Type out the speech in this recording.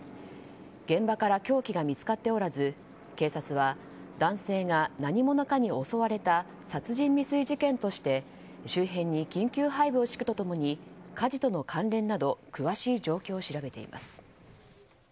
現場から凶器が見つかっておらず警察は男性が何者かに襲われた殺人未遂事件として周辺に緊急配備を敷くと共に火事との関連など詳しい状況を調べています。